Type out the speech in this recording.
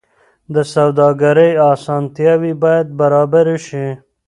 د سوداګرۍ اسانتیاوې باید برابرې شي.